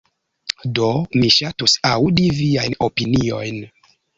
Do mi ŝatus aŭdi viajn opiniojn.